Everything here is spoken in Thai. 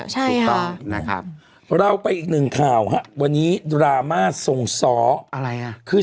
ใช่แปลว่าเขาก็มัดมาประมาณนึง